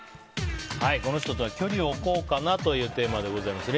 この人とは距離を置こうかなというテーマでございます。